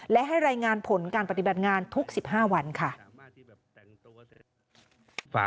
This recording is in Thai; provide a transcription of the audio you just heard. และให้รายงานผลการปฏิบัติงานทุก๑๕วันค่ะ